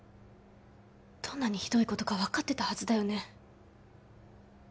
どんなにひどいことか分かってたはずだよね？